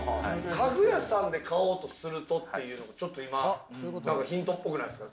家具屋さんで買おうとするとって、ちょっと今ヒントっぽくないっすか？